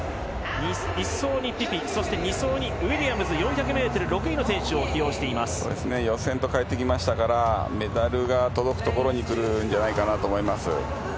１走にピピそして２走にウィリアムズ４００ｍ６位の選手を予選と変えてきましたからメダルが届くところにくるんじゃないかなと思います。